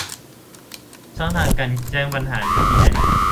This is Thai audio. ช่องทางการแจ้งปัญหาอยู่ที่ไหน